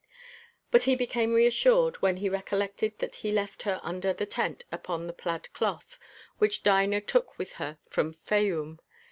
But he became reassured, when he recollected that he left her under the tent upon the plaid cloth, which Dinah took with her from Fayûm.